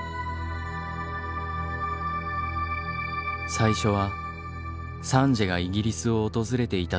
最初はサンジエがイギリスを訪れていた時のことだった。